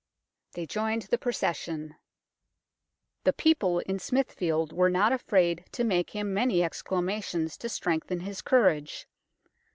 They joined the procession. " The people in Smithfield were not afraid to make him many exclamations to strengthen his courage.